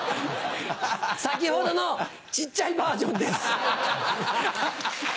先ほどの小っちゃいバージョンです。